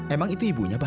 emang itu ibunya bah